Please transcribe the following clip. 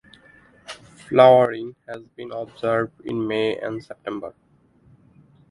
Flowering has been observed in May and September.